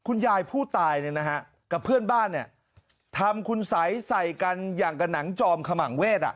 คุณยายผู้ตายเนี่ยนะฮะกับเพื่อนบ้านเนี่ยทำคุณสัยใส่กันอย่างกับหนังจอมขมังเวศ